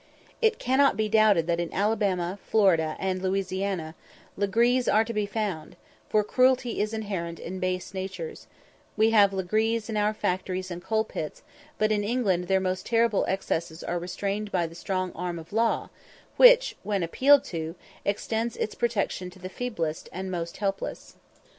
It cannot be doubted that in Alabama, Florida, and Louisiana, "Legrees" are to be found, for cruelty is inherent in base natures; we have "Legrees" in our factories and coal pits; but in England their most terrible excesses are restrained by the strong arm of law, which, when appealed to, extends its protection to the feeblest and most helpless.